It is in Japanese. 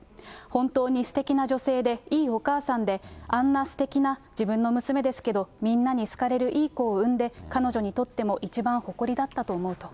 本当にすてきな女性で、いいお母さんで、あんなすてきな自分の娘ですけど、みんなに好かれるいい子を産んで、彼女にとっても一番誇りだったと思うと。